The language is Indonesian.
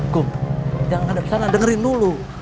kum jangan ada kesana dengerin dulu